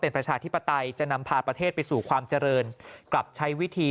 ประชาธิปไตยจะนำพาประเทศไปสู่ความเจริญกลับใช้วิธี